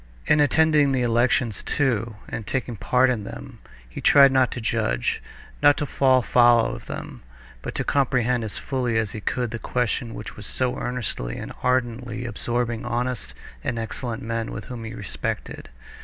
In attending the elections, too, and taking part in them, he tried now not to judge, not to fall foul of them, but to comprehend as fully as he could the question which was so earnestly and ardently absorbing honest and excellent men whom he respected.